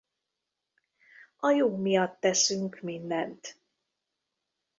A jó miatt teszünk mindent.